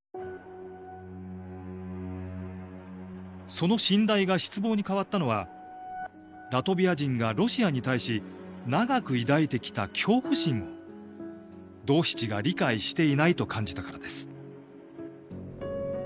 その信頼が失望に変わったのはラトビア人がロシアに対し長く抱いてきた恐怖心を「ドーシチ」が理解していないと感じたからです。